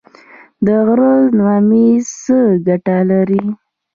د غره ممیز څه ګټه لري؟